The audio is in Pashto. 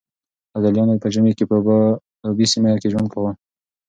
ابدالیانو په ژمي کې په اوبې سيمه کې ژوند کاوه.